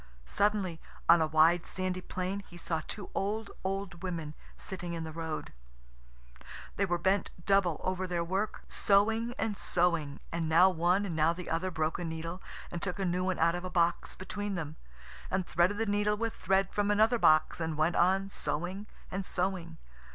Suddenly, on a wide, sandy plain, he saw two old, old women sitting in the road. They were bent double over their work, sewing and sewing, and now one and now the other broke a needle, and took a new one out of a box between them, and threaded the needle with thread from another box, and went on sewing and sewing.